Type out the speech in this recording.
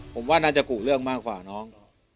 ผมว่าน่าจะกุเรื่องมากกว่าน้อง